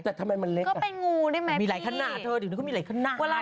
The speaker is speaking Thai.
แต่ทำไมมันเล็กอ่ะมีหลายขั้นหน้าเท่านั้นก็มีหลายขั้นหน้าอาทิตย์